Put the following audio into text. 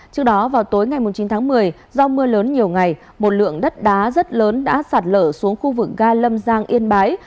trước đó vào tối ngày chín tháng một mươi do mưa lớn nhiều ngày một lượng đất đá rất lớn đã sạt lở xuống khu vực ga lâm giang yên bái